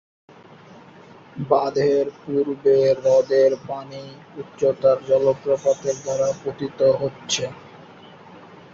বাঁধের পূর্বে, হ্রদের পানি উচ্চতার জলপ্রপাতের দ্বারা পতিত হচ্ছে।